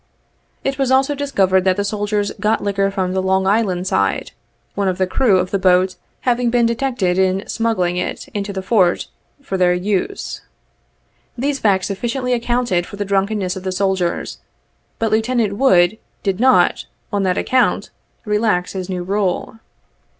It was also discovered that the soldiers got liquor from the Long Island side, one of the crew of the boat having been detected in smuggling it into the Fort for their use. These facts sufficiently accounted for the drunkenness of the soldiers, but Lieutenant Wood did not, on that ac count, relax his new rule.